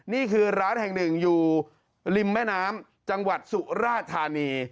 นี่คือร้านแห่งหนึ่งอยู่ริมแม่น้ำจังหวัดสุราธานี